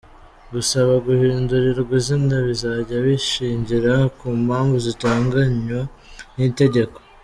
Gusaba guhindurirwa izina bizajya bishingira ku mpamvu ziteganywa n’itegeko.